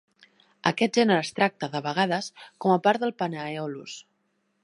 Aquest gènere es tracta, de vegades, com a part del "Panaeolus".